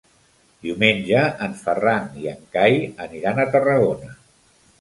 Diumenge en Ferran i en Cai aniran a Tarragona.